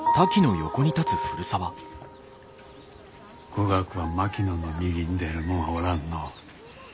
語学は槙野の右に出る者はおらんのう。